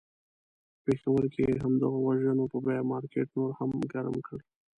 په پېښور کې یې د همدغو وژنو په بیه مارکېټ نور هم ګرم کړ.